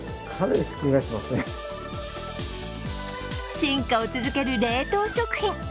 進化を続ける冷凍食品。